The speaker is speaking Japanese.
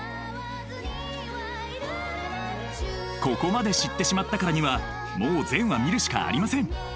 ここまで知ってしまったからにはもう全話見るしかありません。